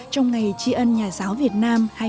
trong ngày tri ân nhà giáo việt nam hai mươi